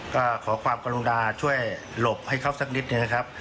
ก็ขอความกรุณาช่วยหลบให้เขาสักนิดหนึ่งนะครับ